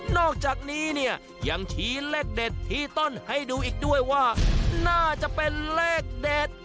อกจากนี้เนี่ยยังชี้เลขเด็ดที่ต้นให้ดูอีกด้วยว่าน่าจะเป็นเลขเด็ด